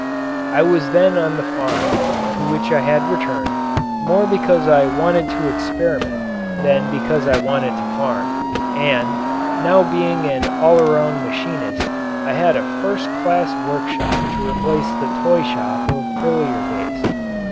I was then on the farm to which I had returned, more because I wanted to experiment than because I wanted to farm, and, now being an all around machinist, I had a first class workshop to replace the toy shop of earlier days.